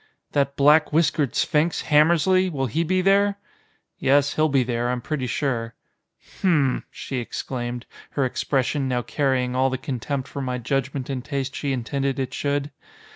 "That black whiskered sphinx, Hammersly, will he be there?" "Yes, he'll be there, I'm pretty sure." "Hm m!" she exclaimed, her expression now carrying all the contempt for my judgment and taste she intended it should.